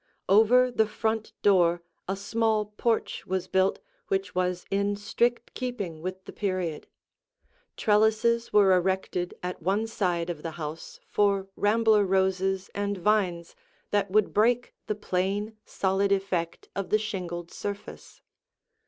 Over the front door a small porch was built which was in strict keeping with the period. Trellises were erected at one side of the house for rambler roses and vines that would break the plain, solid effect of the shingled surface.